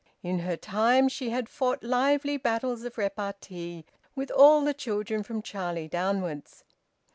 In her time she had fought lively battles of repartee with all the children from Charlie downwards.